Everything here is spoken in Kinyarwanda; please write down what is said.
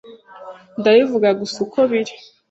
Ndabivuga gusa uko biri.